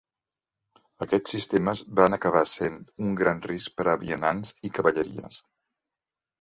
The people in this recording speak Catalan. Aquests sistemes van acabar sent un gran risc per a vianants i cavalleries.